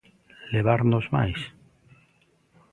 Levarnos máis?